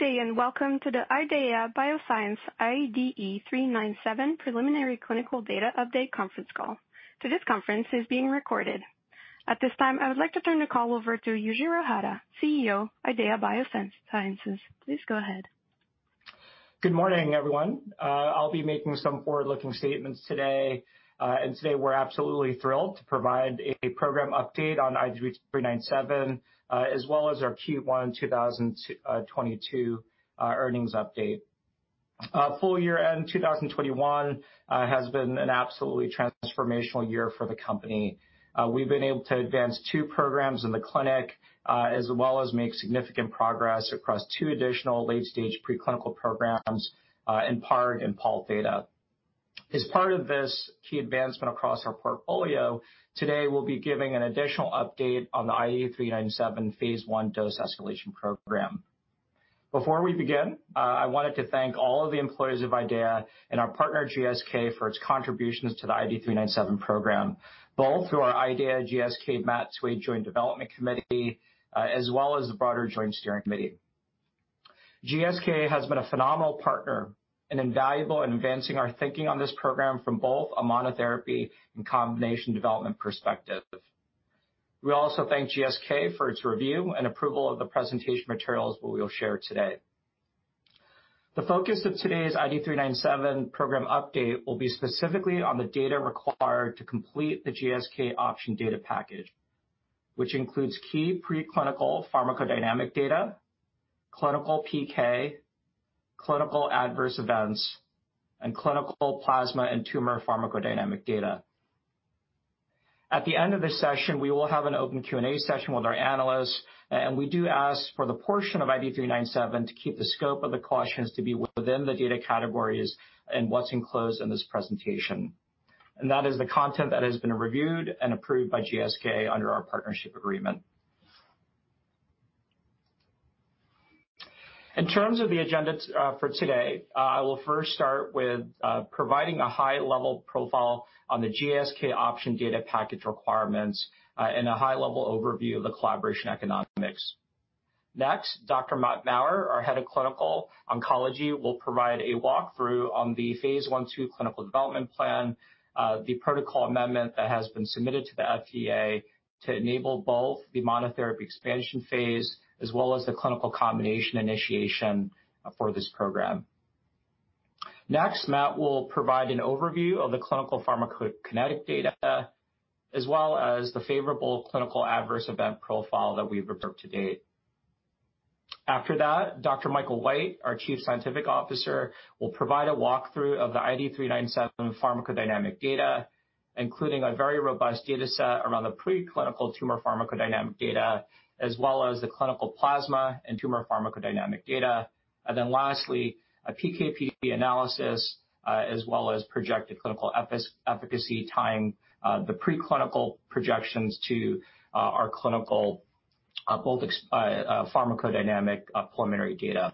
Good day, and welcome to the IDEAYA Biosciences IDE397 preliminary clinical data update conference call. Today's conference is being recorded. At this time, I would like to turn the call over to Yujiro Hata, CEO, IDEAYA Biosciences. Please go ahead. Good morning, everyone. I'll be making some forward-looking statements today. Today we're absolutely thrilled to provide a program update on IDE397, as well as our Q1 2022 earnings update. Full year-end 2021 has been an absolutely transformational year for the company. We've been able to advance two programs in the clinic, as well as make significant progress across two additional late-stage preclinical programs, in PARP and Pol θ. As part of this key advancement across our portfolio, today we'll be giving an additional update on the IDE397 phase I dose escalation program. Before we begin, I wanted to thank all of the employees of IDEAYA and our partner GSK for its contributions to the IDE397 program, both through our IDEAYA GSK MAT2A joint development committee, as well as the broader joint steering committee. GSK has been a phenomenal partner and invaluable in advancing our thinking on this program from both a monotherapy and combination development perspective. We also thank GSK for its review and approval of the presentation materials that we'll share today. The focus of today's IDE397 program update will be specifically on the data required to complete the GSK option data package, which includes key preclinical pharmacodynamic data, clinical PK, clinical adverse events, and clinical plasma and tumor pharmacodynamic data. At the end of the session, we will have an open Q&A session with our analysts, and we do ask for the portion of IDE397 to keep the scope of the questions to be within the data categories and what's enclosed in this presentation. That is the content that has been reviewed and approved by GSK under our partnership agreement. In terms of the agenda for today, I will first start with providing a high-level profile on the GSK option data package requirements, and a high-level overview of the collaboration economics. Next, Dr. Matthew Maurer, our head of Clinical Oncology, will provide a walkthrough on the phase I/II clinical development plan, the protocol amendment that has been submitted to the FDA to enable both the monotherapy expansion phase as well as the clinical combination initiation, for this program. Next, Matt will provide an overview of the clinical pharmacokinetic data, as well as the favorable clinical adverse event profile that we've observed to date. After that, Dr. Michael White, our Chief Scientific Officer, will provide a walkthrough of the IDE397 pharmacodynamic data, including a very robust data set around the preclinical tumor pharmacodynamic data, as well as the clinical plasma and tumor pharmacodynamic data. Then lastly, a PK/PD analysis, as well as projected clinical efficacy, tying the preclinical projections to our clinical both pharmacodynamic preliminary data.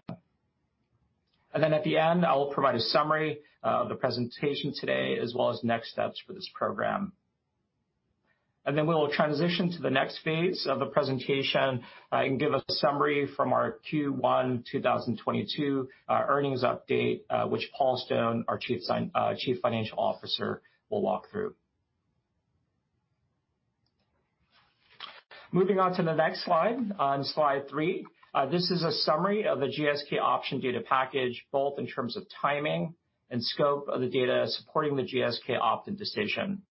Then at the end, I will provide a summary of the presentation today as well as next steps for this program. We will transition to the next phase of the presentation and give a summary from our Q1 2022 earnings update, which Paul Stone, our Chief Financial Officer, will walk through. Moving on to the next slide, on slide three, this is a summary of the GSK option data package, both in terms of timing and scope of the data supporting the GSK opt-in decision.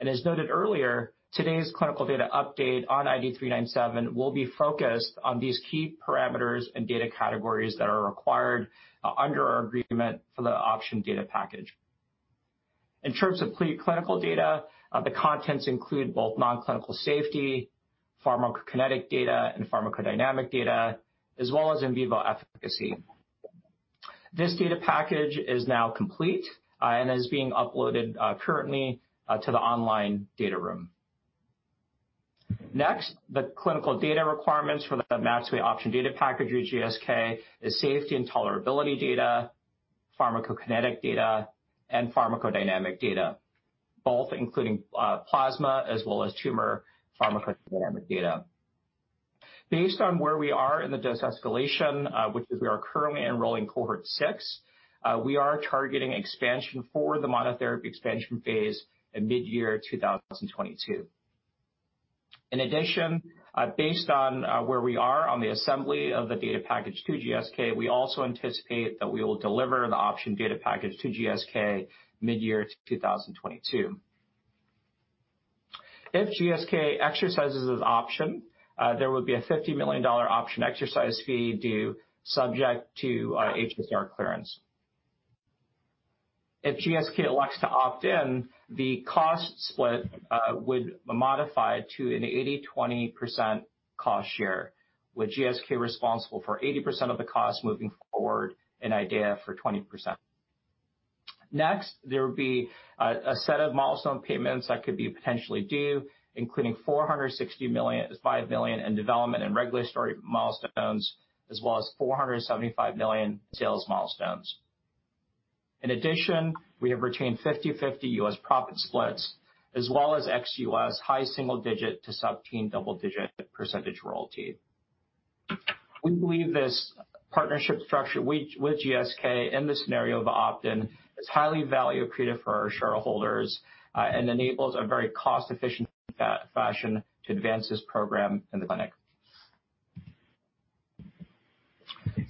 As noted earlier, today's clinical data update on IDE397 will be focused on these key parameters and data categories that are required under our agreement for the option data package. In terms of pre-clinical data, the contents include both non-clinical safety, pharmacokinetic data and pharmacodynamic data, as well as in vivo efficacy. This data package is now complete, and is being uploaded, currently, to the online data room. Next, the clinical data requirements for the MAT2A option data package with GSK is safety and tolerability data, pharmacokinetic data, and pharmacodynamic data, both including, plasma as well as tumor pharmacodynamic data. Based on where we are in the dose escalation, which is we are currently enrolling cohort six, we are targeting expansion for the monotherapy expansion phase in mid-year 2022. In addition, based on, where we are on the assembly of the data package to GSK, we also anticipate that we will deliver the option data package to GSK mid-year 2022. If GSK exercises this option, there would be a $50 million option exercise fee due subject to, HSR clearance. If GSK elects to opt in, the cost split would modify to an 80/20% cost share, with GSK responsible for 80% of the cost moving forward and IDEAYA for 20%. Next, there would be a set of milestone payments that could be potentially due, including $465 million in development and regulatory milestones, as well as $475 million sales milestones. In addition, we have retained 50/50 U.S. profit splits as well as ex-U.S. high single-digit to sub-teen double-digit percentage royalty. We believe this partnership structure with GSK in the scenario of opt-in is highly value creative for our shareholders and enables a very cost-efficient fashion to advance this program in the clinic.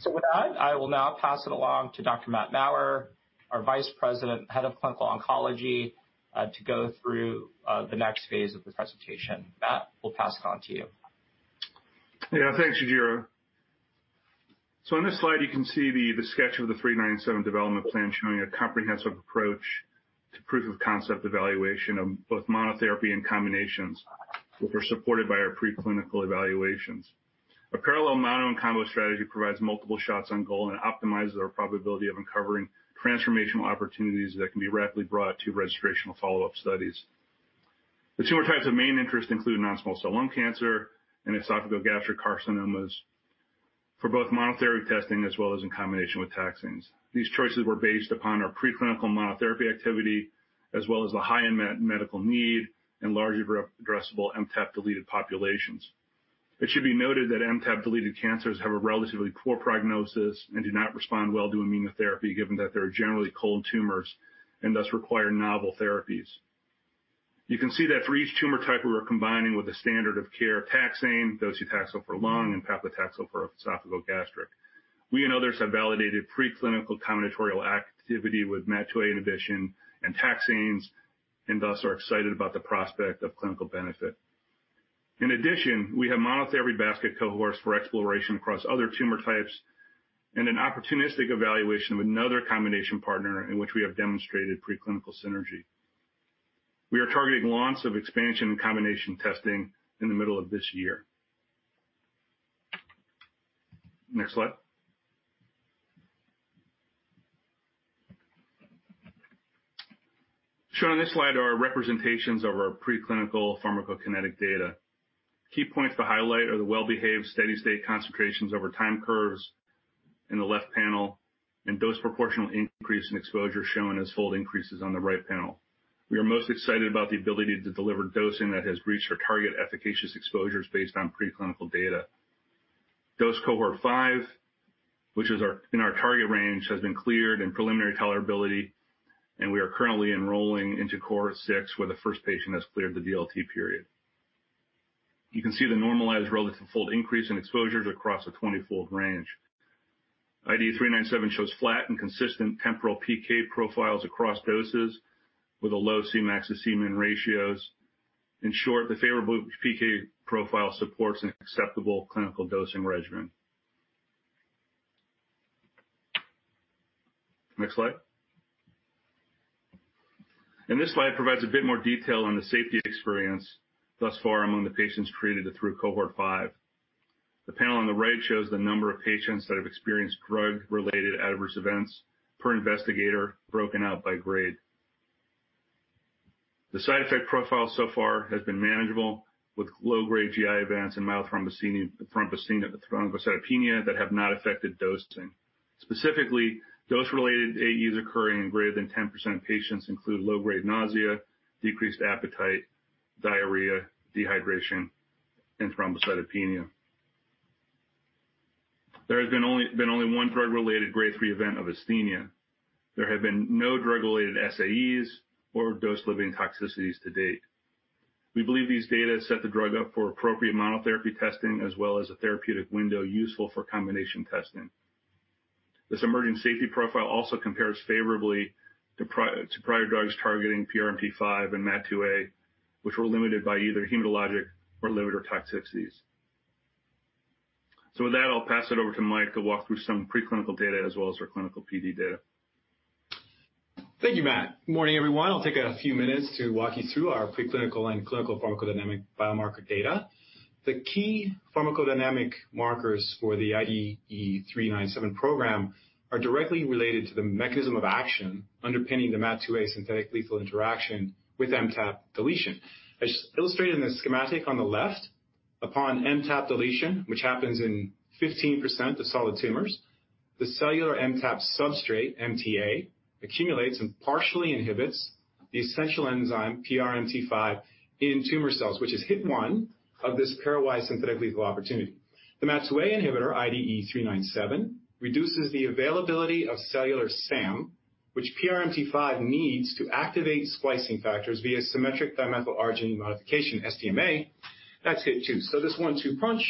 With that, I will now pass it along to Dr.Matt Maurer, our Vice President, Head of Clinical Oncology, to go through the next phase of the presentation. Matt, we'll pass it on to you. Yeah. Thanks, Sudhir. On this slide you can see the sketch of the IDE397 development plan showing a comprehensive approach to proof of concept evaluation of both monotherapy and combinations, which are supported by our preclinical evaluations. A parallel mono and combo strategy provides multiple shots on goal and optimizes our probability of uncovering transformational opportunities that can be rapidly brought to registrational follow-up studies. The tumor types of main interest include non-small cell lung cancer and esophageal and gastric carcinomas for both monotherapy testing as well as in combination with taxanes. These choices were based upon our preclinical monotherapy activity, as well as the high unmet medical need and larger addressable MTAP deleted populations. It should be noted that MTAP deleted cancers have a relatively poor prognosis and do not respond well to immunotherapy, given that they are generally cold tumors and thus require novel therapies. You can see that for each tumor type we are combining with a standard of care taxane, docetaxel for lung and paclitaxel for esophageal gastric. We and others have validated preclinical combinatorial activity with MAT2A inhibition and taxanes, and thus are excited about the prospect of clinical benefit. In addition, we have monotherapy basket cohorts for exploration across other tumor types and an opportunistic evaluation of another combination partner in which we have demonstrated preclinical synergy. We are targeting launch of expansion and combination testing in the middle of this year. Next slide. Shown on this slide are representations of our preclinical pharmacokinetic data. Key points to highlight are the well-behaved steady-state concentrations over time curves in the left panel, and dose proportional increase in exposure shown as fold increases on the right panel. We are most excited about the ability to deliver dosing that has reached our target efficacious exposures based on preclinical data. Dose cohort five, which is in our target range, has been cleared in preliminary tolerability, and we are currently enrolling into cohort six, where the first patient has cleared the DLT period. You can see the normalized relative fold increase in exposures across a 20-fold range. IDE-397 shows flat and consistent temporal PK profiles across doses with a low Cmax to Cmin ratios. In short, the favorable PK profile supports an acceptable clinical dosing regimen. Next slide. This slide provides a bit more detail on the safety experience thus far among the patients treated through cohort 5. The panel on the right shows the number of patients that have experienced drug-related adverse events per investigator broken out by grade. The side effect profile so far has been manageable, with low-grade GI events and mild thrombocytopenia that have not affected dosing. Specifically, dose-related AEs occurring in greater than 10% of patients include low-grade nausea, decreased appetite, diarrhea, dehydration, and thrombocytopenia. There has been only one drug-related grade three event of asthenia. There have been no drug-related SAEs or dose-limiting toxicities to date. We believe these data set the drug up for appropriate monotherapy testing as well as a therapeutic window useful for combination testing. This emerging safety profile also compares favorably to prior drugs targeting PRMT5 and MAT2A, which were limited by either hematologic or liver toxicities. With that, I'll pass it over to Mike to walk through some preclinical data as well as our clinical PD data. Thank you, Matt. Morning, everyone. I'll take a few minutes to walk you through our preclinical and clinical pharmacodynamic biomarker data. The key pharmacodynamic markers for the IDE397 program are directly related to the mechanism of action underpinning the MAT2A synthetic lethal interaction with MTAP deletion. As illustrated in the schematic on the left, upon MTAP deletion, which happens in 15% of solid tumors, the cellular MTAP substrate, MTA, accumulates and partially inhibits the essential enzyme PRMT5 in tumor cells, which is hit one of this pairwise synthetic lethal opportunity. The MAT2A inhibitor, IDE397, reduces the availability of cellular SAM, which PRMT5 needs to activate splicing factors via symmetric dimethyl arginine modification, SDMA. That's hit two. This one-two punch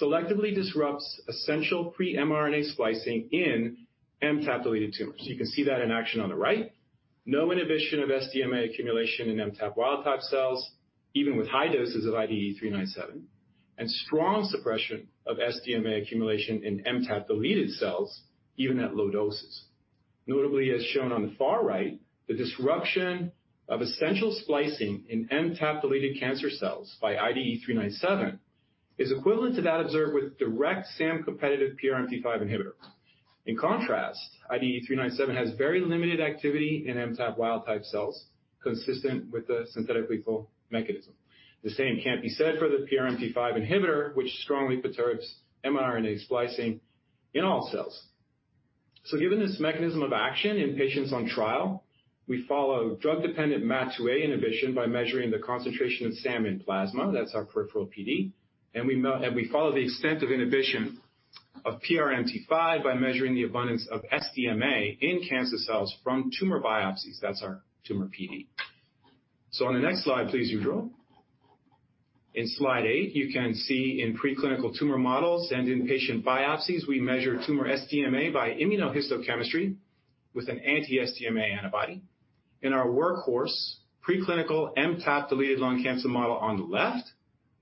selectively disrupts essential pre-mRNA splicing in MTAP-deleted tumors. You can see that in action on the right. No inhibition of SDMA accumulation in MTAP wild-type cells, even with high doses of IDE397, and strong suppression of SDMA accumulation in MTAP-deleted cells, even at low doses. Notably, as shown on the far right, the disruption of essential splicing in MTAP-deleted cancer cells by IDE397 is equivalent to that observed with direct SAM competitive PRMT5 inhibitor. In contrast, IDE397 has very limited activity in MTAP wild-type cells, consistent with the synthetic lethal mechanism. The same can't be said for the PRMT5 inhibitor, which strongly perturbs mRNA splicing in all cells. Given this mechanism of action in patients on trial, we follow drug-dependent MAT2A inhibition by measuring the concentration of SAM in plasma. That's our peripheral PD. We follow the extent of inhibition of PRMT5 by measuring the abundance of SDMA in cancer cells from tumor biopsies. That's our tumor PD. On the next slide, please, Yujiro Hata. In slide eight, you can see in preclinical tumor models and in patient biopsies, we measure tumor SDMA by immunohistochemistry with an anti-SDMA antibody. In our workhorse, preclinical MTAP-deleted lung cancer model on the left,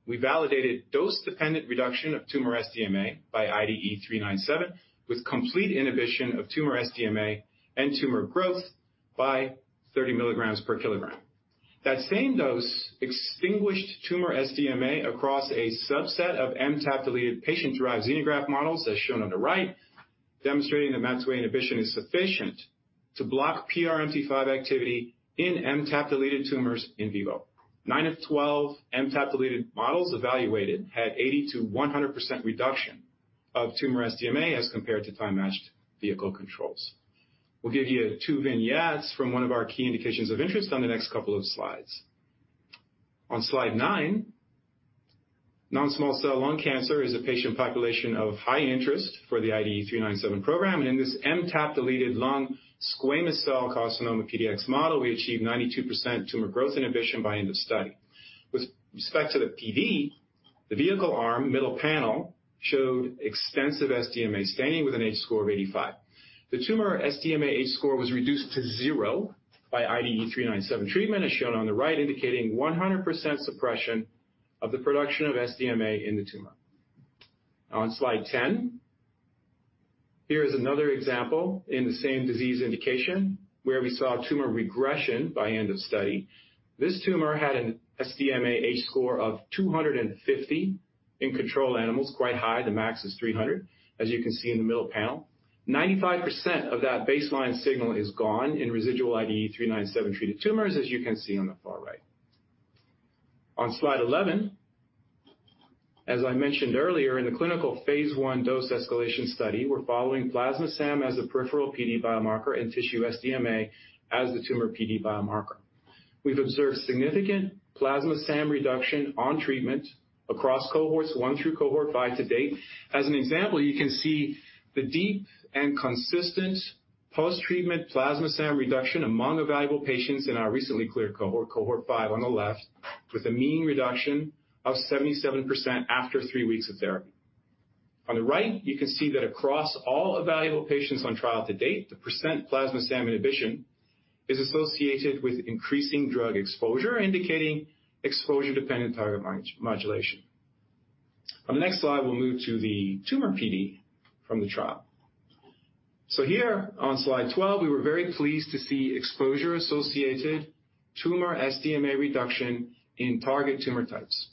we validated dose-dependent reduction of tumor SDMA by IDE397 with complete inhibition of tumor SDMA and tumor growth by 30 milligrams per kilogram. That same dose extinguished tumor SDMA across a subset of MTAP-deleted patient-derived xenograft models, as shown on the right, demonstrating that MAT2A inhibition is sufficient to block PRMT5 activity in MTAP-deleted tumors in vivo. nine of 12 MTAP-deleted models evaluated had 80%-100% reduction of tumor SDMA as compared to time-matched vehicle controls. We'll give you two vignettes from one of our key indications of interest on the next couple of slides. On slide nine, non-small cell lung cancer is a patient population of high interest for the IDE397 program, and in this MTAP-deleted lung squamous cell carcinoma PDX model, we achieved 92% tumor growth inhibition by end of study. With respect to the PD, the vehicle arm, middle panel, showed extensive SDMA staining with an H-score of 85. The tumor SDMA H-score was reduced to 0 by IDE397 treatment, as shown on the right, indicating 100% suppression of the production of SDMA in the tumor. On slide ten, here is another example in the same disease indication where we saw tumor regression by end of study. This tumor had an SDMA H-score of 250 in control animals. Quite high. The max is 300, as you can see in the middle panel. 95% of that baseline signal is gone in residual IDE397 treated tumors, as you can see on the far right. On slide 11, as I mentioned earlier, in the clinical phase I dose escalation study, we're following plasma SAM as a peripheral PD biomarker and tissue SDMA as the tumor PD biomarker. We've observed significant plasma SAM reduction on treatment across cohorts one through cohort five to date. As an example, you can see the deep and consistent post-treatment plasma SAM reduction among evaluable patients in our recently cleared cohort five on the left, with a mean reduction of 77% after three weeks of therapy. On the right, you can see that across all evaluable patients on trial to date, the percent plasma SAM inhibition is associated with increasing drug exposure, indicating exposure-dependent target modulation. On the next slide, we'll move to the tumor PD from the trial. Here on slide 12, we were very pleased to see exposure-associated tumor SDMA reduction in target tumor types.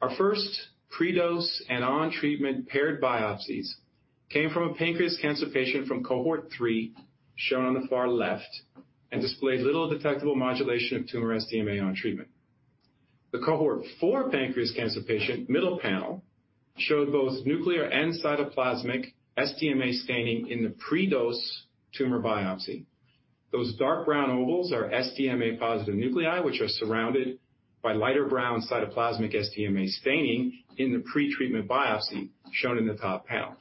Our first pre-dose and on-treatment paired biopsies came from a pancreatic cancer patient from cohort three, shown on the far left, and displayed little detectable modulation of tumor SDMA on treatment. The cohort four pancreatic cancer patient, middle panel, showed both nuclear and cytoplasmic SDMA staining in the pre-dose tumor biopsy. Those dark brown ovals are SDMA-positive nuclei which are surrounded by lighter brown cytoplasmic SDMA staining in the pretreatment biopsy, shown in the top panel.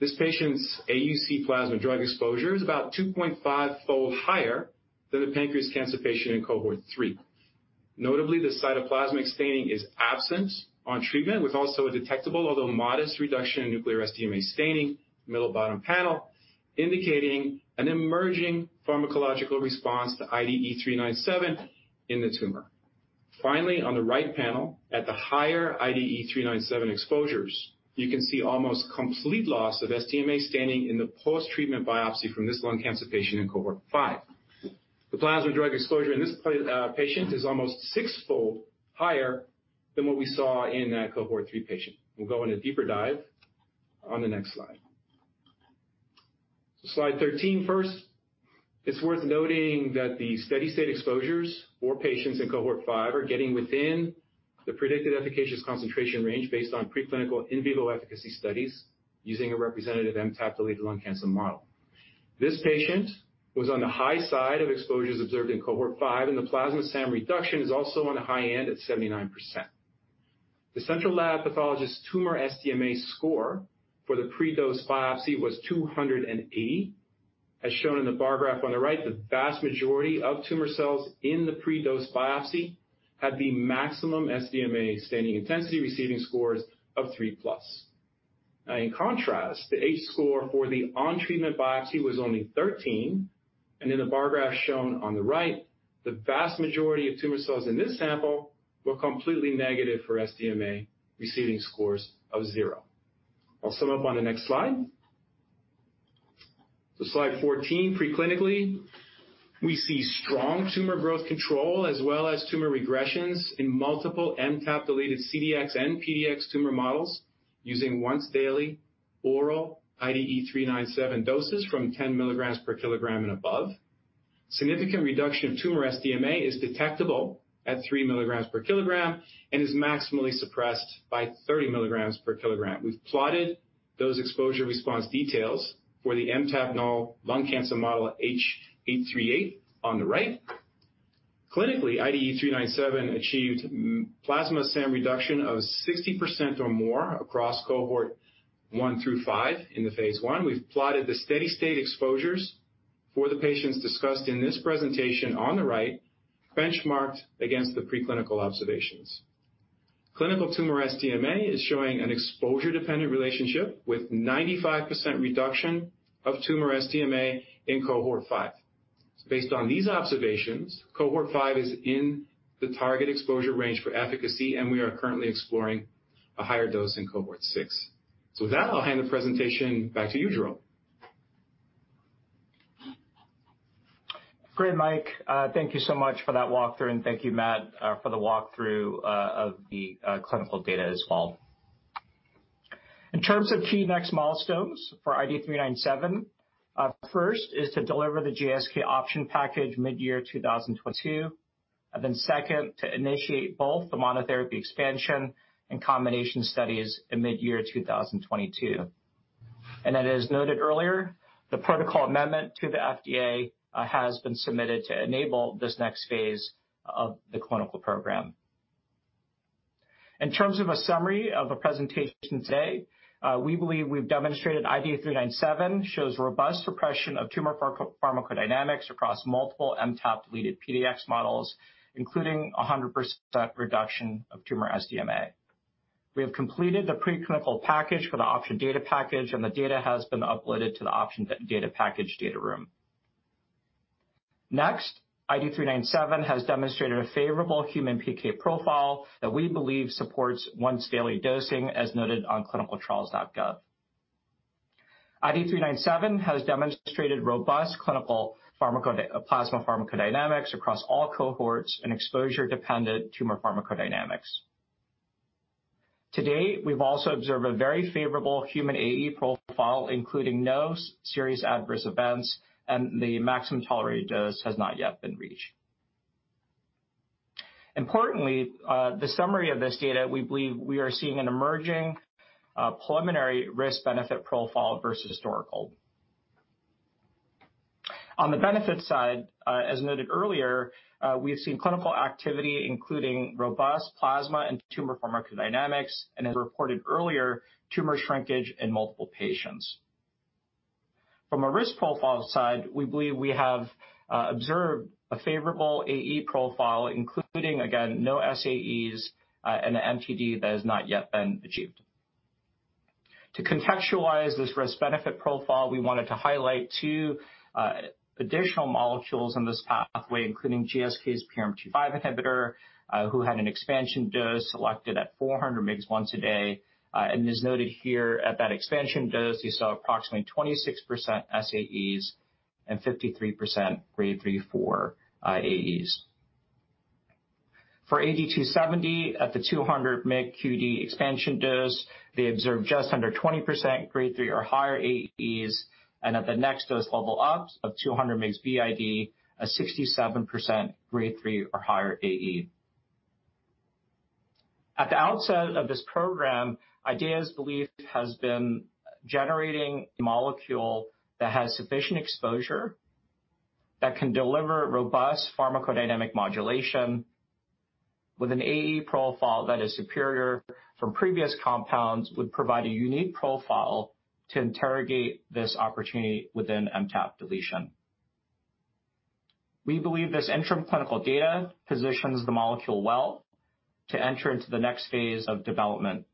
This patient's AUC plasma drug drug exposure is about 2.5-fold higher than the pancreatic cancer patient in cohort three. Notably, the cytoplasmic staining is absent on treatment, with also a detectable although modest reduction in nuclear SDMA staining, middle bottom panel, indicating an emerging pharmacological response to IDE397 in the tumor. Finally, on the right panel at the higher IDE397 exposures, you can see almost complete loss of SDMA staining in the post-treatment biopsy from this lung cancer patient in cohort five. The plasma drug exposure in this patient is almost six-fold higher than what we saw in that cohort three patient. We'll go in a deeper dive on the next slide. Slide 13 first. It's worth noting that the steady-state exposures for patients in cohort 5 are getting within the predicted efficacious concentration range based on preclinical in vivo efficacy studies using a representative MTAP-deleted lung cancer model. This patient was on the high side of exposures observed in cohort five, and the plasma SAM reduction is also on the high end at 79%. The central lab pathologist's tumor SDMA score for the pre-dose biopsy was 280. As shown in the bar graph on the right, the vast majority of tumor cells in the pre-dose biopsy had the maximum SDMA staining intensity, receiving scores of 3+. Now in contrast, the H-score for the on-treatment biopsy was only 13, and in the bar graph shown on the right, the vast majority of tumor cells in this sample were completely negative for SDMA, receiving scores of zero. I'll sum up on the next slide. Slide 14. Preclinically, we see strong tumor growth control as well as tumor regressions in multiple MTAP-deleted CDX and PDX tumor models using once-daily oral IDE397 doses from 10 milligrams per kilogram and above. Significant reduction of tumor SDMA is detectable at three milligrams per kilogram and is maximally suppressed by 30 milligrams per kilogram. We've pleotted those exposure response details for the MTAP null lung cancer model H838 on the right. Clinically, IDE397 achieved plasma SAM reduction of 60% or more across cohort 1 through 5 in phase I. We've plotted the steady-state exposures for the patients discussed in this presentation on the right, benchmarked against the preclinical observations. Clinical tumor SDMA is showing an exposure-dependent relationship with 95% reduction of tumor SDMA in cohort five. Based on these observations, cohort five is in the target exposure range for efficacy, and we are currently exploring a higher dose in cohort six. With that, I'll hand the presentation back to you, Yujiro Hata. Great, Mike. Thank you so much for that walkthrough, and thank you, Matt, for the walkthrough of the clinical data as well. In terms of key next milestones for IDE397, first is to deliver the GSK option package mid-2022, and then second, to initiate both the monotherapy expansion and combination studies in mid-2022. As noted earlier, the protocol amendment to the FDA has been submitted to enable this next phase of the clinical program. In terms of a summary of the presentation today, we believe we've demonstrated IDE397 shows robust suppression of tumor pharmacodynamics across multiple MTAP-deleted PDX models, including 100% reduction of tumor SDMA. We have completed the pre-clinical package for the option data package, and the data has been uploaded to the option d-data package data room. Next, IDE397 has demonstrated a favorable human PK profile that we believe supports once-daily dosing, as noted on clinicaltrials.gov. IDE397 has demonstrated robust clinical plasma pharmacodynamics across all cohorts and exposure-dependent tumor pharmacodynamics. To date, we've also observed a very favorable human AE profile, including no serious adverse events, and the maximum tolerated dose has not yet been reached. Importantly, the summary of this data, we believe we are seeing an emerging, preliminary risk-benefit profile versus historical. On the benefits side, as noted earlier, we have seen clinical activity, including robust plasma and tumor pharmacodynamics, and as reported earlier, tumor shrinkage in multiple patients. From a risk profile side, we believe we have observed a favorable AE profile, including, again, no SAEs, and an MTD that has not yet been achieved. To contextualize this risk-benefit profile, we wanted to highlight two additional molecules in this pathway, including GSK's PRMT5 inhibitor, who had an expansion dose selected at 400 mg once a day, and is noted here at that expansion dose, you saw approximately 26% SAEs and 53% grade 3/4 AEs. For AG-270 at the 200 mg QD expansion dose, they observed just under 20% grade three or higher AEs, and at the next dose level up of 200 mg BID, a 67% grade three or higher AE. At the outset of this program, IDEAYA's belief has been generating a molecule that has sufficient exposure, that can deliver robust pharmacodynamic modulation with an AE profile that is superior from previous compounds, would provide a unique profile to interrogate this opportunity within MTAP deletion. We believe this interim clinical data positions the molecule well to enter into the next phase of development.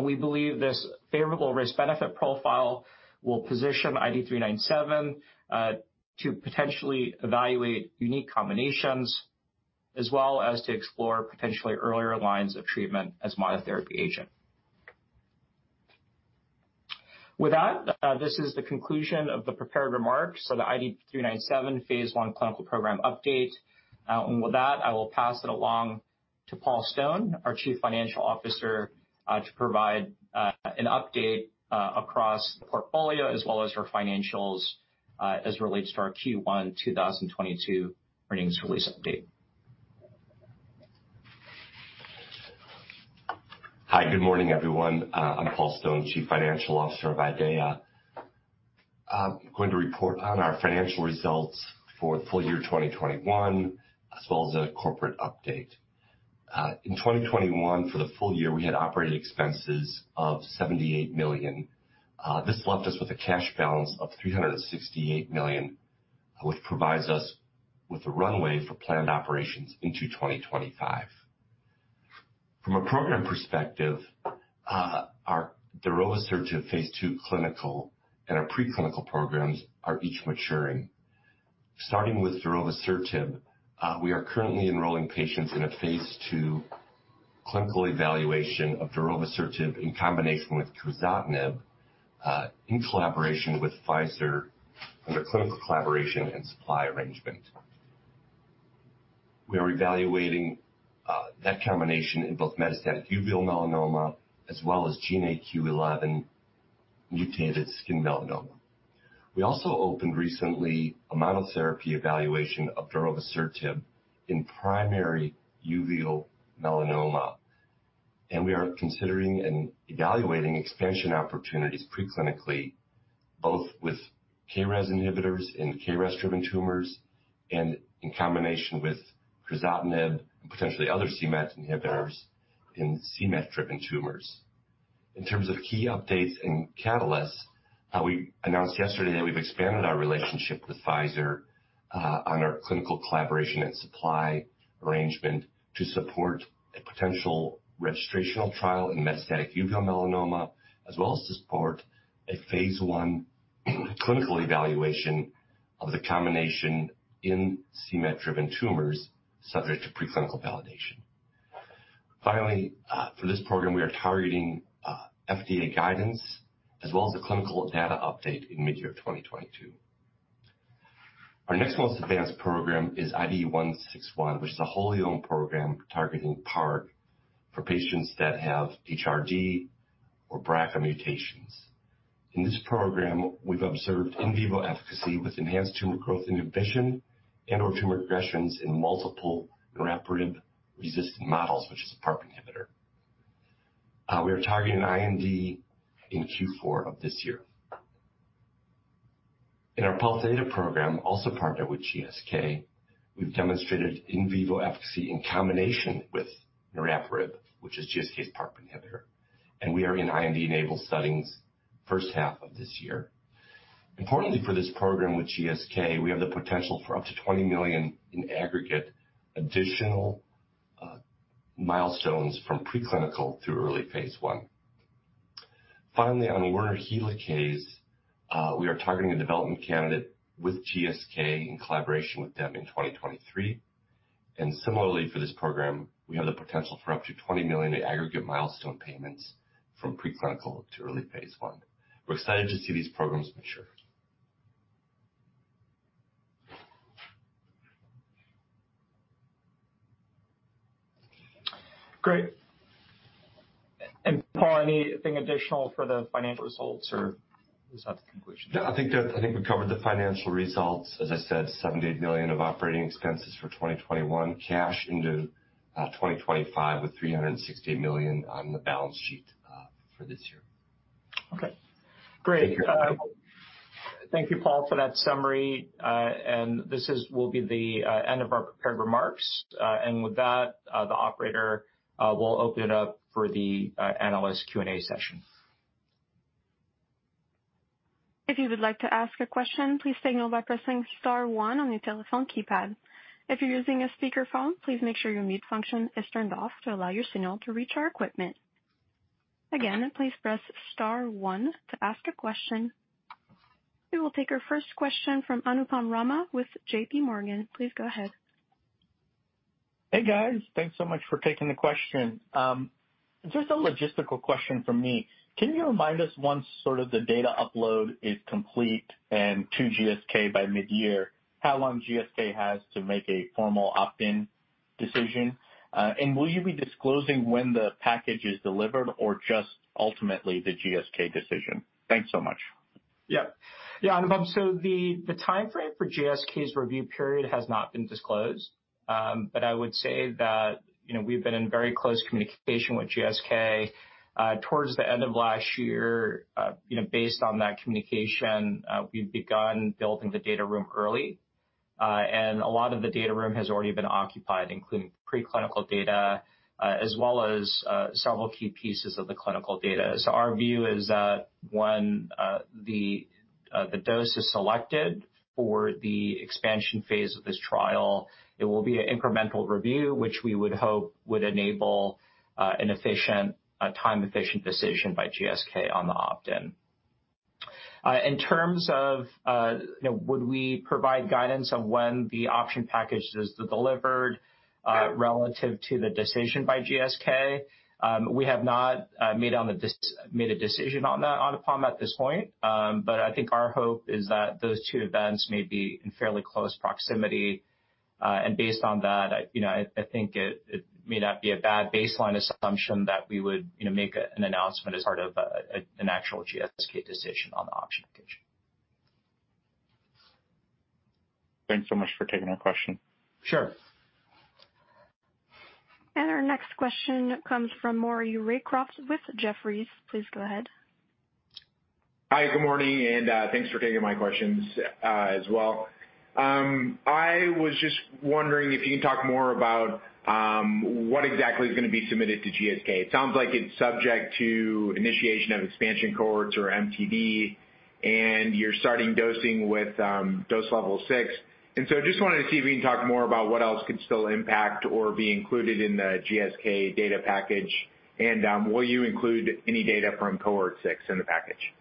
We believe this favorable risk-benefit profile will position IDE397 to potentially evaluate unique combinations as well as to explore potentially earlier lines of treatment as monotherapy agent. With that, this is the conclusion of the prepared remarks for the IDE397 phase I clinical program update. With that, I will pass it along to Paul Stone, our Chief Financial Officer, to provide an update across the portfolio as well as our financials as relates to our Q1 2022 earnings release update. Hi. Good morning, everyone. I'm Paul Stone, Chief Financial Officer of IDEAYA Biosciences. I'm going to report on our financial results for the full year 2021, as well as a corporate update. In 2021, for the full year, we had operating expenses of $78 million. This left us with a cash balance of $368 million, which provides us with a runway for planned operations into 2025. From a program perspective, our darovasertib phase II clinical and our preclinical programs are each maturing. Starting with darovasertib, we are currently enrolling patients in a phase II clinical evaluation of darovasertib in combination with crizotinib, in collaboration with Pfizer under clinical collaboration and supply arrangement. We are evaluating that combination in both metastatic uveal melanoma as well as GNAQ/11 mutated skin melanoma. We also opened recently a monotherapy evaluation of darovasertib in primary uveal melanoma, and we are considering and evaluating expansion opportunities pre-clinically, both with KRAS inhibitors in KRAS-driven tumors and in combination with crizotinib and potentially other c-Met inhibitors in c-Met-driven tumors. In terms of key updates and catalysts, we announced yesterday that we've expanded our relationship with Pfizer on our clinical collaboration and supply arrangement to support a potential registrational trial in metastatic uveal melanoma as well as support a phase I clinical evaluation of the combination in c-Met-driven tumors subject to preclinical validation. Finally, for this program, we are targeting FDA guidance as well as a clinical data update in mid-year 2022. Our next most advanced program is IDE161, which is a wholly-owned program targeting PARP for patients that have HRD or BRCA mutations. In this program, we've observed in vivo efficacy with enhanced tumor growth inhibition and/or tumor regressions in multiple niraparib-resistant models, which is a PARP inhibitor. We are targeting an IND in Q4 of this year. In our Pol theta program, also partnered with GSK, we've demonstrated in vivo efficacy in combination with niraparib, which is GSK's PARP inhibitor, and we are in IND-enabling studies first half of this year. Importantly, for this program with GSK, we have the potential for up to $20 million in aggregate additional milestones from preclinical through early phase I. Finally, on Werner helicase, we are targeting a development candidate with GSK in collaboration with them in 2023. Similarly for this program, we have the potential for up to $20 million in aggregate milestone payments from preclinical to early phase I. We're excited to see these programs mature. Great. Paul, anything additional for the financial results, or is that the conclusion? No, I think we've covered the financial results. As I said, $78 million of operating expenses for 2021, cash into 2025 with $368 million on the balance sheet for this year. Okay, great. Thank you. Thank you, Paul, for that summary. This will be the end of our prepared remarks. With that, the operator will open it up for the analyst Q&A session. If you would like to ask a question, please signal by pressing star one on your telephone keypad. If you're using a speakerphone, please make sure your mute function is turned off to allow your signal to reach our equipment. Again, please press star one to ask a question. We will take our first question from Anupam Rama with JP Morgan. Please go ahead. Hey, guys. Thanks so much for taking the question. Just a logistical question from me. Can you remind us once sort of the data upload is complete and to GSK by mid-year, how long GSK has to make a formal opt-in decision? Will you be disclosing when the package is delivered or just ultimately the GSK decision? Thanks so much. Yeah. Yeah, Anupam. The timeframe for GSK's review period has not been disclosed. But I would say that, you know, we've been in very close communication with GSK. Towards the end of last year, you know, based on that communication, we've begun building the data room early. And a lot of the data room has already been occupied, including preclinical data, as well as several key pieces of the clinical data. Our view is that when the dose is selected for the expansion phase of this trial, it will be an incremental review, which we would hope would enable a time-efficient decision by GSK on the opt-in. In terms of, you know, would we provide guidance on when the option package is delivered, relative to the decision by GSK, we have not made a decision on that, Anupam, at this point. I think our hope is that those two events may be in fairly close proximity. Based on that, you know, I think it may not be a bad baseline assumption that we would, you know, make an announcement as part of an actual GSK decision on the option package. Thanks so much for taking my question. Sure. Our next question comes from Maury Raycroft with Jefferies. Please go ahead. Hi, good morning, and thanks for taking my questions, as well. I was just wondering if you can talk more about what exactly is gonna be submitted to GSK. It sounds like it's subject to initiation of expansion cohorts or MTD, and you're starting dosing with dose level six. I just wanted to see if you can talk more about what else could still impact or be included in the GSK data package. Will you include any data from cohort six in the package?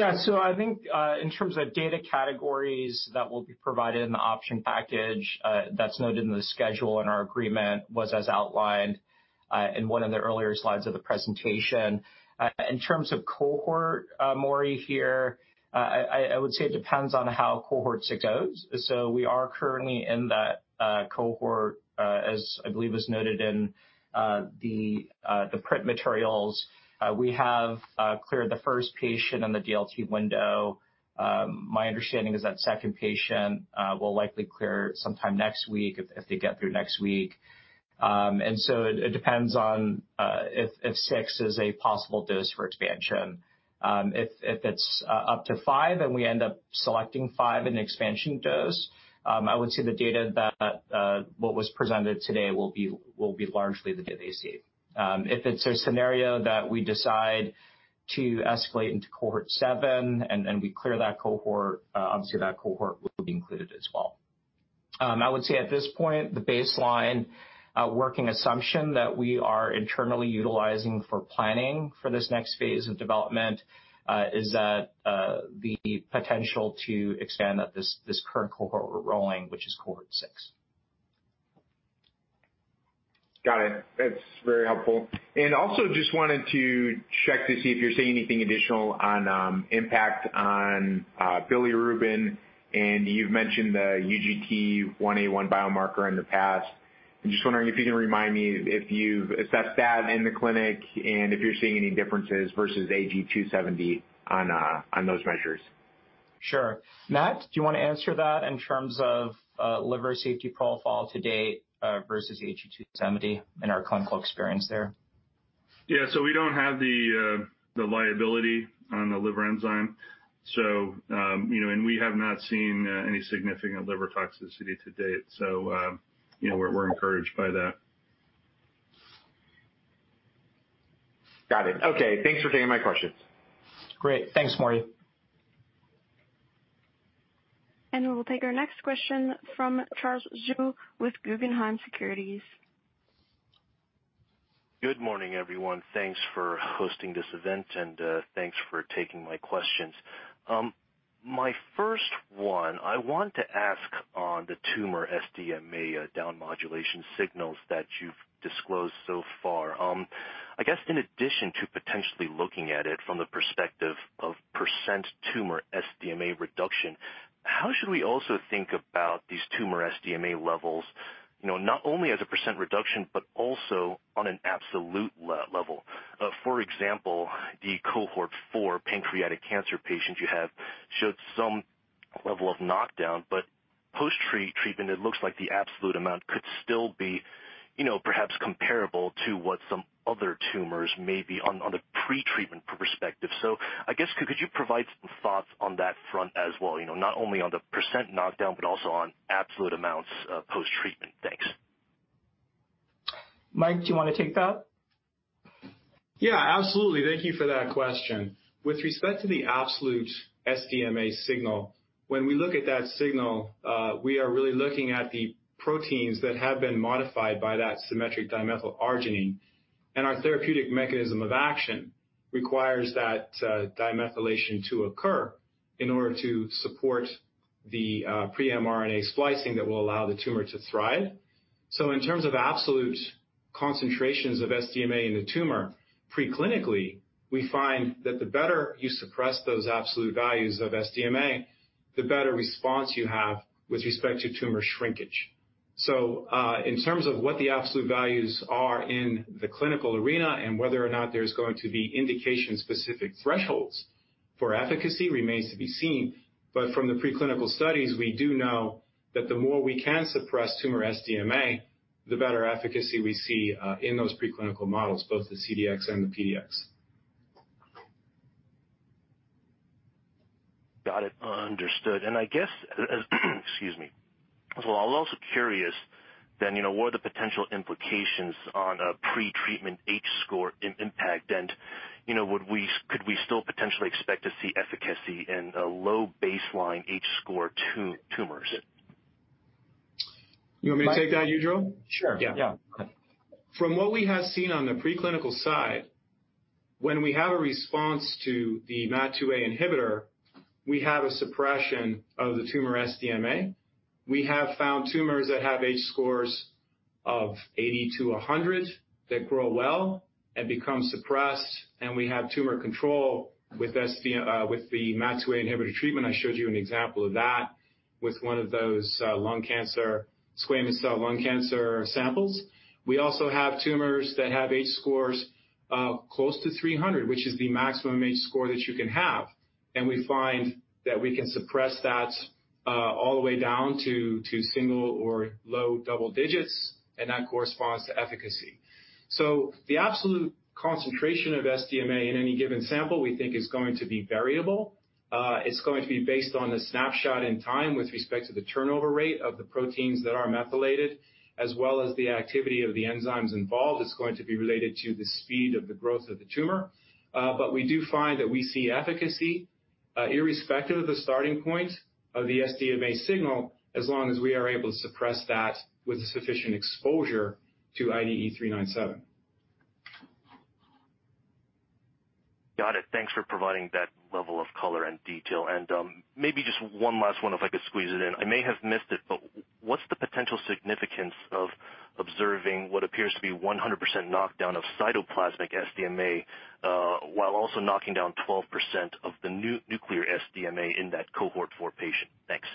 I think, in terms of data categories that will be provided in the option package, that's noted in the schedule in our agreement was as outlined in one of the earlier slides of the presentation. In terms of cohort, Maury, here, I would say it depends on how cohort six goes. We are currently in that cohort, as I believe was noted in the print materials. We have cleared the first patient in the DLT window. My understanding is that second patient will likely clear sometime next week if they get through next week. It depends on if 6 is a possible dose for expansion. If it's up to five and we end up selecting five in the expansion dose, I would say the data, what was presented today, will be largely the data they see. If it's a scenario that we decide to escalate into cohort 7 and we clear that cohort, obviously that cohort will be included as well. I would say at this point, the baseline working assumption that we are internally utilizing for planning for this next phase of development is that the potential to expand at this current cohort we're rolling, which is cohort 6. Got it. That's very helpful. Also just wanted to check to see if you're seeing anything additional on impact on bilirubin, and you've mentioned the UGT1A1 biomarker in the past. I'm just wondering if you can remind me if you've assessed that in the clinic and if you're seeing any differences versus AG-270 on those measures. Sure. Matt, do you wanna answer that in terms of, liver safety profile to date, versus AG-270 in our clinical experience there? Yeah. We don't have the liability on the liver enzyme. You know, and we have not seen any significant liver toxicity to date. You know, we're encouraged by that. Got it. Okay. Thanks for taking my questions. Great. Thanks, Maury. We will take our next question from Charles Zhu with Guggenheim Securities. Good morning, everyone. Thanks for hosting this event, and thanks for taking my questions. My first one, I want to ask on the tumor SDMA down modulation signals that you've disclosed so far. I guess in addition to potentially looking at it from the perspective of percent tumor SDMA reduction, how should we also think about these tumor SDMA levels, you know, not only as a percent reduction, but also on an absolute level? For example, the cohort four pancreatic cancer patients you have showed some level of knockdown, but post-treatment, it looks like the absolute amount could still be, you know, perhaps comparable to what some other tumors may be on a pretreatment perspective. I guess could you provide some thoughts on that front as well? You know, not only on the percent knockdown, but also on absolute amounts post-treatment. Thanks. Mike, do you wanna take that? Yeah, absolutely. Thank you for that question. With respect to the absolute SDMA signal, when we look at that signal, we are really looking at the proteins that have been modified by that symmetric dimethylarginine, and our therapeutic mechanism of action requires that dimethylation to occur in order to support the pre-mRNA splicing that will allow the tumor to thrive. In terms of absolute concentrations of SDMA in the tumor, preclinically, we find that the better you suppress those absolute values of SDMA, the better response you have with respect to tumor shrinkage. In terms of what the absolute values are in the clinical arena and whether or not there's going to be indication-specific thresholds for efficacy remains to be seen. From the preclinical studies, we do know that the more we can suppress tumor SDMA, the better efficacy we see in those preclinical models, both the CDX and the PDX. Got it. Understood. Excuse me. I'm also curious then, you know, what are the potential implications on a pretreatment H-score impact? And, you know, could we still potentially expect to see efficacy in a low baseline H-score tumors? You want me to take that, Yujiro Hata? Sure. Yeah. Yeah. From what we have seen on the preclinical side, when we have a response to the MAT2A inhibitor, we have a suppression of the tumor SDMA. We have found tumors that have H-score of 80-100 that grow well and become suppressed, and we have tumor control with the MAT2A inhibitor treatment. I showed you an example of that with one of those lung cancer, squamous cell lung cancer samples. We also have tumors that have H-score close to 300, which is the maximum H-score that you can have. We find that we can suppress that all the way down to single or low double digits, and that corresponds to efficacy. The absolute concentration of SDMA in any given sample, we think, is going to be variable. It's going to be based on a snapshot in time with respect to the turnover rate of the proteins that are methylated, as well as the activity of the enzymes involved. It's going to be related to the speed of the growth of the tumor. We do find that we see efficacy, irrespective of the starting point of the SDMA signal, as long as we are able to suppress that with sufficient exposure to IDE397. Got it. Thanks for providing that level of color and detail. Maybe just one last one, if I could squeeze it in. I may have missed it, but what's the potential significance of observing what appears to be 100% knockdown of cytoplasmic SDMA while also knocking down 12% of the nuclear SDMA in that cohort 4 patient? Thanks.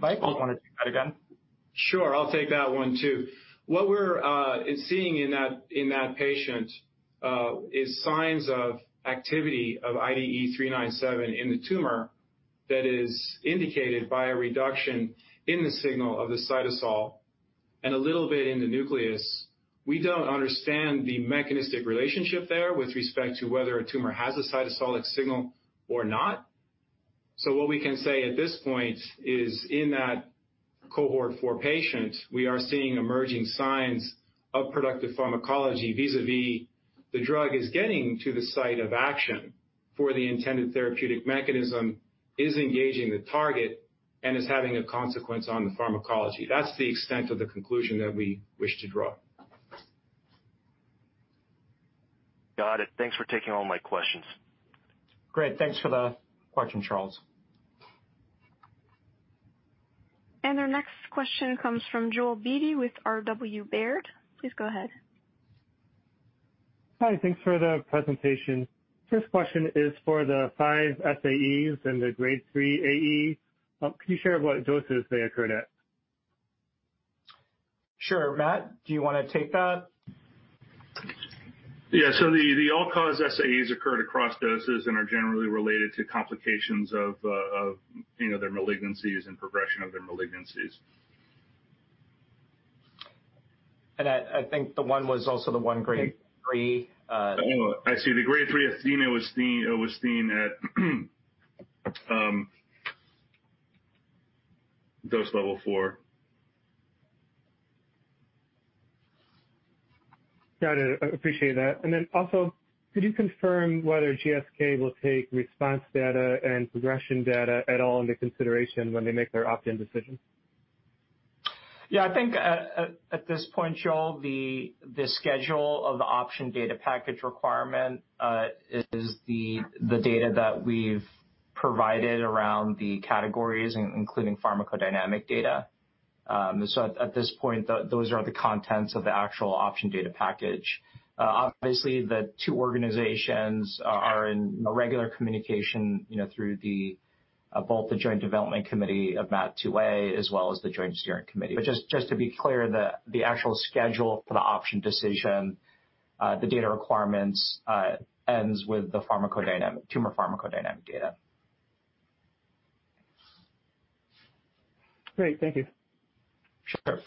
Mike, want to take that again? Sure. I'll take that one too. What we're seeing in that patient is signs of activity of IDE397 in the tumor that is indicated by a reduction in the signal of the cytosol and a little bit in the nucleus. We don't understand the mechanistic relationship there with respect to whether a tumor has a cytosolic signal or not. What we can say at this point is in that cohort four patient, we are seeing emerging signs of productive pharmacology vis-a-vis the drug is getting to the site of action for the intended therapeutic mechanism, is engaging the target, and is having a consequence on the pharmacology. That's the extent of the conclusion that we wish to draw. Got it. Thanks for taking all my questions. Great. Thanks for the question, Charles. Our next question comes from Joel Beatty with RW Baird. Please go ahead. Hi. Thanks for the presentation. First question is for the five SAEs and the grade three AE. Can you share what doses they occurred at? Sure. Matt, do you wanna take that? Yeah. The all-cause SAEs occurred across doses and are generally related to complications of you know their malignancies and progression of their malignancies. I think the one was also the one grade three. Oh, I see. The Grade three asthenia was seen at dose level four. Got it. I appreciate that. Could you confirm whether GSK will take response data and progression data at all into consideration when they make their opt-in decision? Yeah. I think at this point, Joel, the schedule of the option data package requirement is the data that we've provided around the categories including pharmacodynamic data. At this point, those are the contents of the actual option data package. Obviously, the two organizations are in regular communication, you know, through both the joint development committee of MAT2A as well as the joint steering committee. Just to be clear, the actual schedule for the option decision, the data requirements, ends with the pharmacodynamic tumor pharmacodynamic data. Great. Thank you. Sure.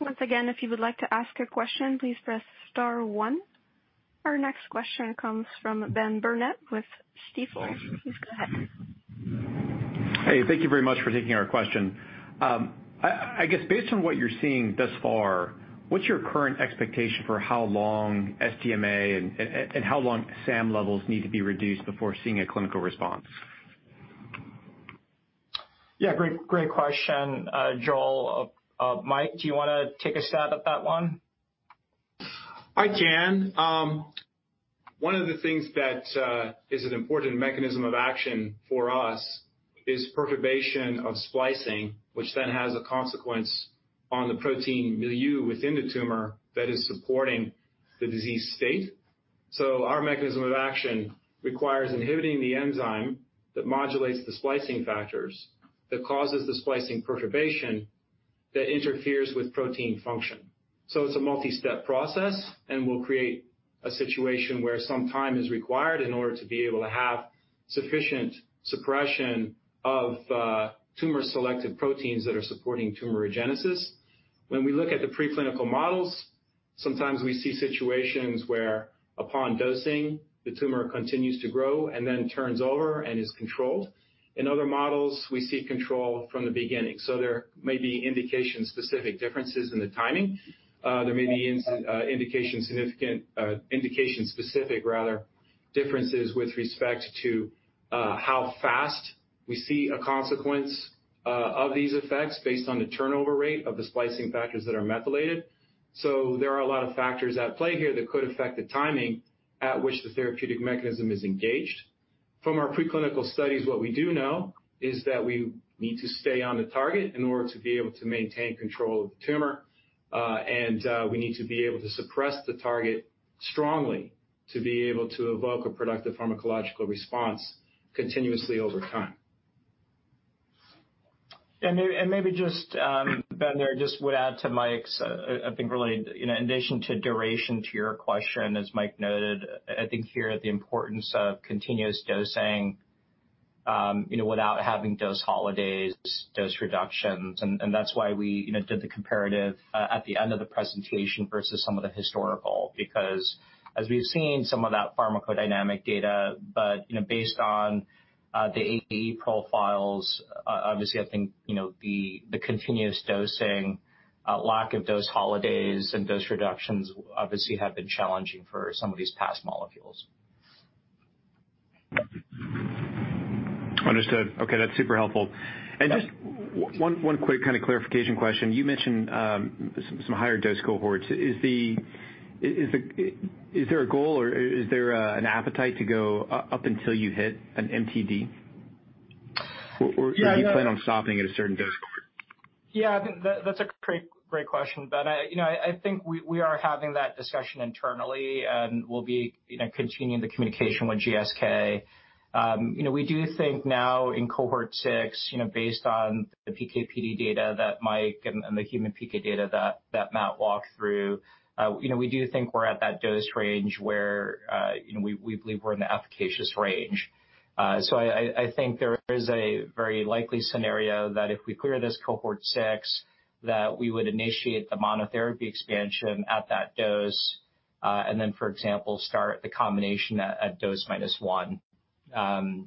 Once again, if you would like to ask a question, please press star one. Our next question comes from Benjamin Burnett with Stifel. Please go ahead. Hey, thank you very much for taking our question. I guess based on what you're seeing thus far, what's your current expectation for how long SDMA and SAM levels need to be reduced before seeing a clinical response? Yeah. Great question, Joel. Mike, do you wanna take a stab at that one? I can. One of the things that is an important mechanism of action for us is perturbation of splicing, which then has a consequence on the protein milieu within the tumor that is supporting the disease state. Our mechanism of action requires inhibiting the enzyme that modulates the splicing factors that causes the splicing perturbation that interferes with protein function. It's a multi-step process and will create a situation where some time is required in order to be able to have sufficient suppression of tumor-selected proteins that are supporting tumorigenesis. When we look at the preclinical models, sometimes we see situations where upon dosing, the tumor continues to grow and then turns over and is controlled. In other models, we see control from the beginning. There may be indication-specific differences in the timing. There may be indication-specific rather differences with respect to how fast we see a consequence of these effects based on the turnover rate of the splicing factors that are methylated. There are a lot of factors at play here that could affect the timing at which the therapeutic mechanism is engaged. From our preclinical studies, what we do know is that we need to stay on the target in order to be able to maintain control of the tumor, and we need to be able to suppress the target strongly to be able to evoke a productive pharmacological response continuously over time. Maybe just, Ben, I just would add to Mike's. I think really, you know, in addition to duration to your question, as Mike noted, I think here the importance of continuous dosing, you know, without having dose holidays, dose reductions, and that's why we, you know, did the comparative at the end of the presentation versus some of the historical. Because as we've seen some of that pharmacodynamic data, but, you know, based on the AE profiles, obviously I think, you know, the continuous dosing, lack of dose holidays and dose reductions obviously have been challenging for some of these past molecules. Understood. Okay, that's super helpful. Just one quick kind of clarification question. You mentioned some higher dose cohorts. Is there a goal or is there an appetite to go up until you hit an MTD? Or Yeah, no- Do you plan on stopping at a certain dose cohort? Yeah, I think that's a great question, Ben. You know, I think we are having that discussion internally and we'll be, you know, continuing the communication with GSK. You know, we do think now in cohort 6, you know, based on the PK/PD data that Mike and the human PK data that Matt walked through, you know, we do think we're at that dose range where, you know, we believe we're in the efficacious range. I think there is a very likely scenario that if we clear this cohort 6, that we would initiate the monotherapy expansion at that dose, and then, for example, start the combination at dose minus 1.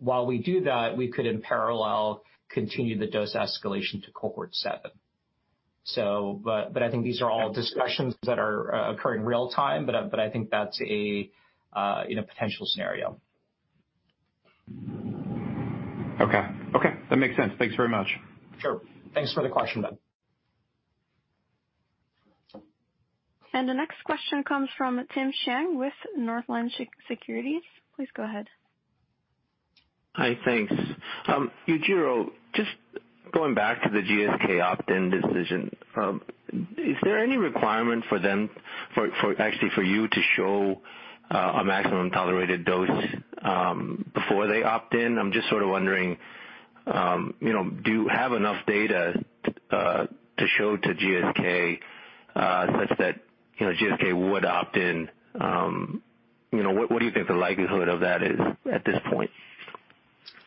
While we do that, we could in parallel continue the dose escalation to cohort seven.I think these are all discussions that are occurring real time, but I think that's a, you know, potential scenario. Okay. Okay, that makes sense. Thanks very much. Sure. Thanks for the question, Ben. The next question comes from Timothy Chiang with Northland Securities. Please go ahead. Hi. Thanks. Yujiro, just going back to the GSK opt-in decision, is there any requirement actually for you to show a maximum tolerated dose before they opt in? I'm just sort of wondering, you know, do you have enough data to show to GSK such that, you know, GSK would opt in? You know, what do you think the likelihood of that is at this point?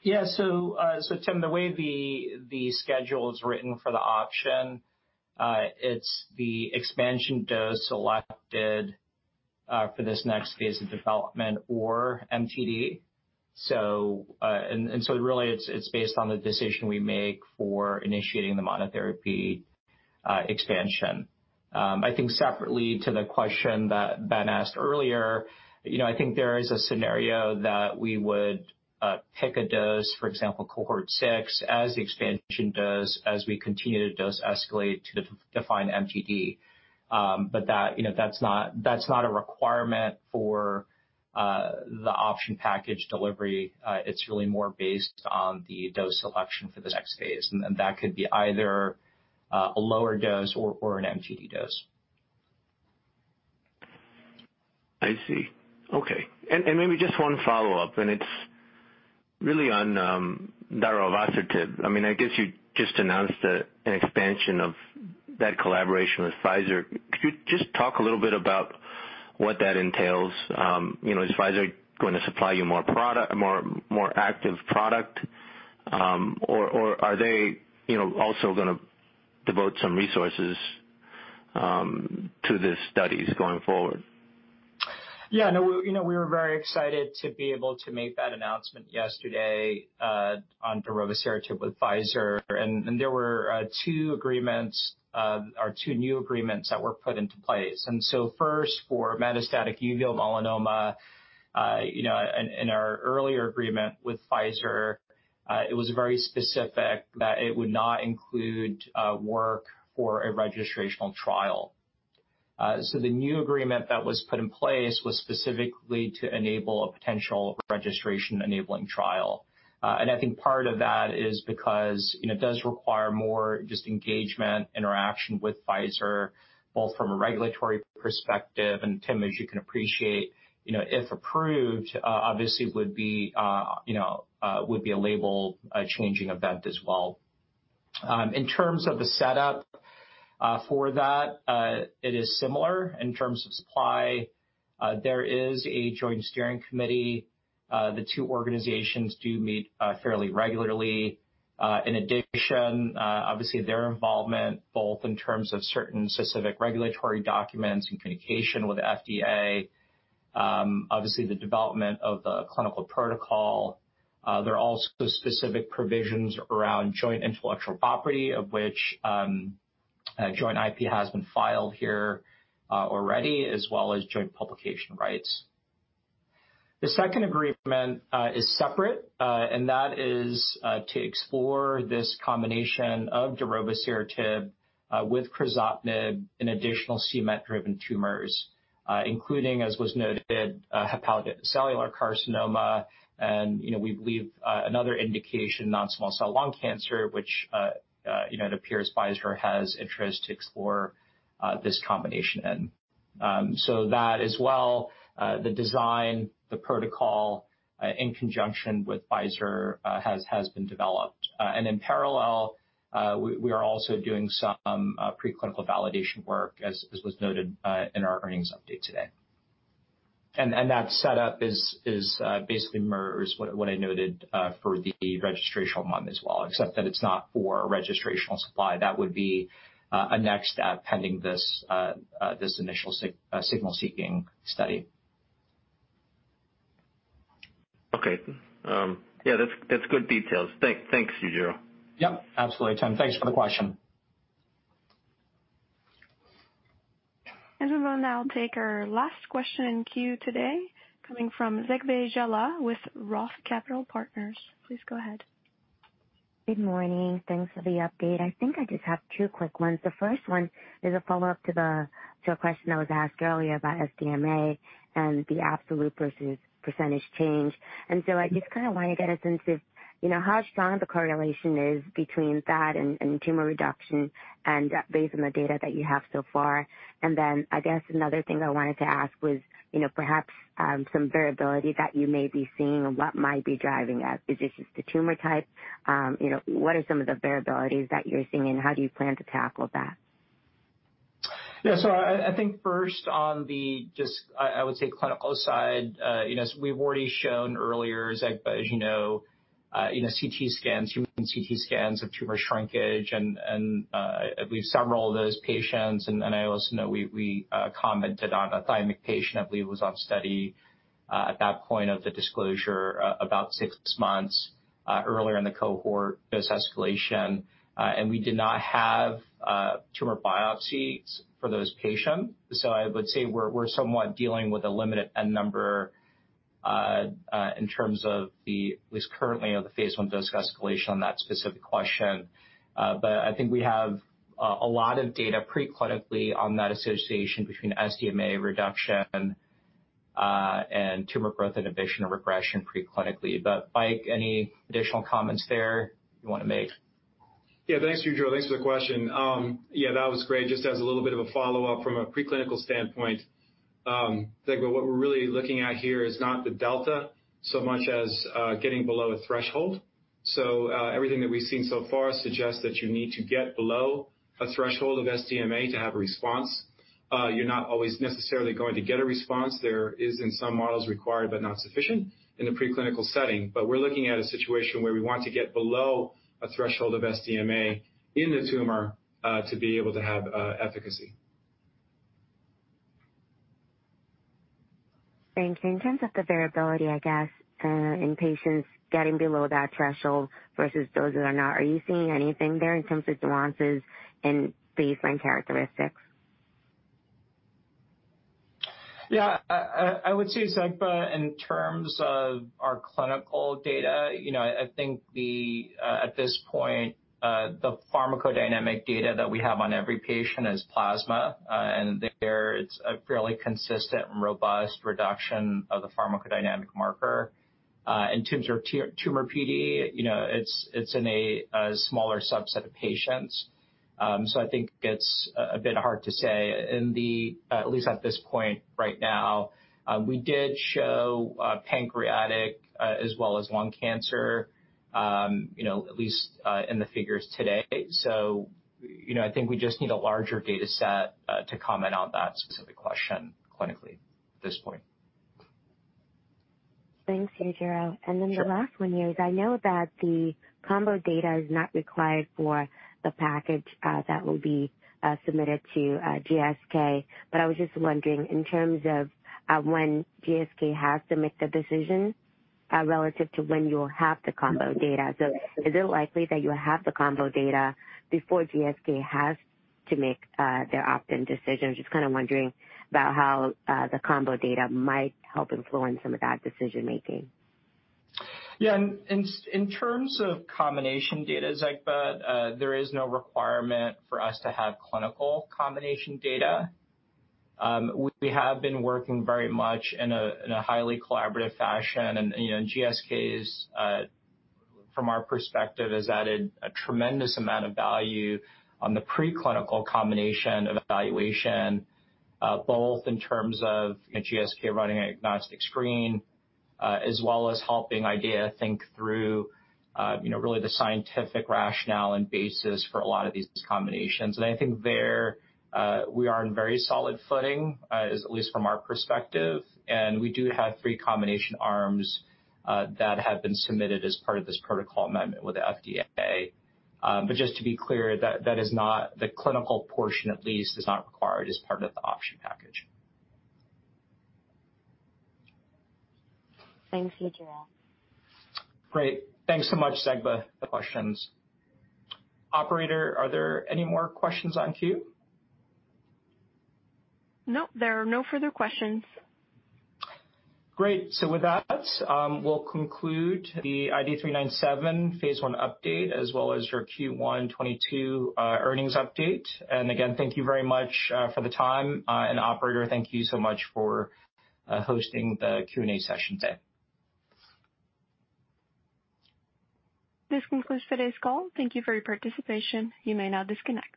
Tim, the way the schedule is written for the option, it's the expansion dose selected for this next phase of development or MTD. Really it's based on the decision we make for initiating the monotherapy expansion. I think separately to the question that Ben asked earlier, you know, I think there is a scenario that we would pick a dose, for example, cohort six, as the expansion dose, as we continue to dose escalate to define MTD. But that, you know, that's not a requirement for the option package delivery. It's really more based on the dose selection for the next phase. Then that could be either a lower dose or an MTD dose. I see. Okay. Maybe just one follow-up, and it's really on darovasertib. I mean, I guess you just announced an expansion of that collaboration with Pfizer. Could you just talk a little bit about what that entails? You know, is Pfizer going to supply you more product, more active product? Or are they, you know, also gonna devote some resources to the studies going forward? Yeah, no, you know, we were very excited to be able to make that announcement yesterday on darovasertib with Pfizer. There were two new agreements that were put into place. First, for metastatic uveal melanoma, you know, in our earlier agreement with Pfizer, it was very specific that it would not include work for a registrational trial. So the new agreement that was put in place was specifically to enable a potential registration-enabling trial. I think part of that is because, you know, it does require more just engagement, interaction with Pfizer, both from a regulatory perspective, and Tim, as you can appreciate, you know, if approved, obviously would be a label changing event as well. In terms of the setup, for that, it is similar in terms of supply. There is a joint steering committee. The two organizations do meet fairly regularly. In addition, obviously their involvement both in terms of certain specific regulatory documents and communication with the FDA, obviously the development of the clinical protocol. There are also specific provisions around joint intellectual property of which, joint IP has been filed here, already, as well as joint publication rights. The second agreement is separate, and that is to explore this combination of darovasertib with crizotinib in additional c-Met-driven tumors, including, as was noted, hepatocellular carcinoma and, you know, we believe, another indication, non-small cell lung cancer, which, you know, it appears Pfizer has interest to explore this combination in. That as well, the design, the protocol in conjunction with Pfizer has been developed. In parallel, we are also doing some preclinical validation work, as was noted in our earnings update today. That setup basically mirrors what I noted for the registrational one as well, except that it's not for registrational supply. That would be a next step pending this initial signal-seeking study. Okay. Yeah, that's good details. Thanks, Yujiro. Yep, absolutely, Tim. Thanks for the question. We will now take our last question in queue today coming from Zegbeh Jallah with Roth Capital Partners. Please go ahead. Good morning. Thanks for the update. I think I just have two quick ones. The first one is a follow-up to a question that was asked earlier about SDMA and the absolute percentage change. I just kinda wanna get a sense of, you know, how strong the correlation is between that and tumor reduction and based on the data that you have so far. I guess another thing I wanted to ask was, you know, perhaps some variability that you may be seeing and what might be driving that. Is this just the tumor type? You know, what are some of the variabilities that you're seeing, and how do you plan to tackle that? Yeah. I think first on the clinical side, you know, we've already shown earlier, Zegbeh, as you know, you know, CT scans, human CT scans of tumor shrinkage and I believe several of those patients and I also know we commented on a thymic patient I believe was on study at that point of the disclosure about six months earlier in the cohort dose escalation and we did not have tumor biopsies for those patients. I would say we're somewhat dealing with a limited N number in terms of at least currently you know the phase I dose escalation on that specific question. I think we have a lot of data pre-clinically on that association between SDMA reduction and tumor growth inhibition or regression pre-clinically. Mike, any additional comments there you wanna make? Yeah. Thanks, Yujiro. Thanks for the question. Yeah, that was great. Just as a little bit of a follow-up from a pre-clinical standpoint, Zegbeh, what we're really looking at here is not the delta so much as getting below a threshold. So, everything that we've seen so far suggests that you need to get below a threshold of SDMA to have a response. You're not always necessarily going to get a response. There is in some models required, but not sufficient in a pre-clinical setting. But we're looking at a situation where we want to get below a threshold of SDMA in the tumor to be able to have efficacy. Thanks. In terms of the variability, I guess, in patients getting below that threshold versus those that are not, are you seeing anything there in terms of nuances in baseline characteristics? Yeah. I would say, Zegbeh, in terms of our clinical data, you know, I think at this point the pharmacodynamic data that we have on every patient is plasma. There it's a fairly consistent and robust reduction of the pharmacodynamic marker. In terms of tumor PD, you know, it's in a smaller subset of patients. I think it's a bit hard to say at least at this point right now. We did show pancreatic as well as lung cancer, you know, at least in the figures today. You know, I think we just need a larger data set to comment on that specific question clinically at this point. Thanks, Yujiro. Sure. The last one here is I know that the combo data is not required for the package that will be submitted to GSK. I was just wondering, in terms of when GSK has to make the decision relative to when you'll have the combo data. Is it likely that you'll have the combo data before GSK has to make their opt-in decision? Just kinda wondering about how the combo data might help influence some of that decision making. Yeah. In terms of combination data, Zegbeh, there is no requirement for us to have clinical combination data. We have been working very much in a highly collaborative fashion. You know, GSK is, from our perspective, has added a tremendous amount of value on the pre-clinical combination evaluation, both in terms of GSK running a diagnostic screen, as well as helping IDEAYA think through, you know, really the scientific rationale and basis for a lot of these combinations. I think there we are on very solid footing, at least from our perspective, and we do have three combination arms that have been submitted as part of this protocol amendment with the FDA. Just to be clear, that is not the clinical portion, at least is not required as part of the option package. Thanks, Yujiro. Great. Thanks so much, Zegbeh, for the questions. Operator, are there any more questions in the queue? Nope. There are no further questions. Great. With that, we'll conclude the IDE397 phase I update as well as your Q1 2022 earnings update. Again, thank you very much for the time. Operator, thank you so much for hosting the Q&A session today. This concludes today's call. Thank you for your participation. You may now disconnect.